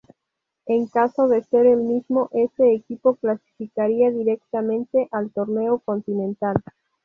En caso de ser el mismo, ese equipo clasificaría directamente al torneo continental.